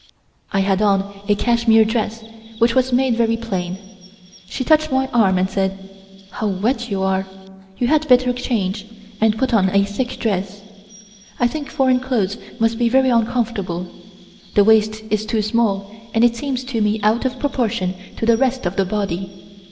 I had on a cashmere dress which was made very plain. She touched my arm and said: "How wet you are. You had better change, and put on a thick dress. I think foreign clothes must be very uncomfortable; the waist is too small and it seems to me out of proportion to the rest of the body.